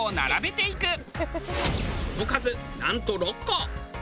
その数なんと６個！